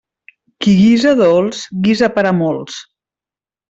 Qui guisa dolç, guisa per a molts.